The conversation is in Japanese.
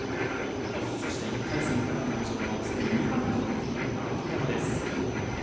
そして、１回戦から登場のすでに２番取っている碧山です。